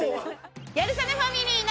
『ギャル曽根ファミリーの』。